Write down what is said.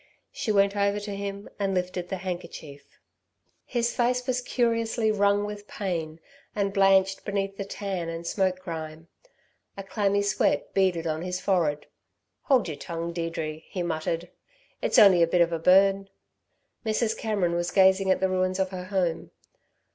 She went over to him and lifted the handkerchief. His face was curiously wrung with pain and blanched beneath the tan and smoke grime. A clammy sweat beaded on his forehead. "Hold your tongue, Deirdre," he muttered. "It's only a bit of a burn." Mrs. Cameron was gazing at the ruins of her home.